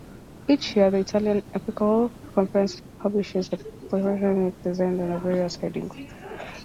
Each year the Italian Episcopal Conference publishes the proportions it assigns under various headings.